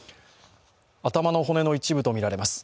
頭の骨の一部とみられます。